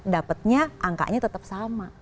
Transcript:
dapatnya angkanya tetap sama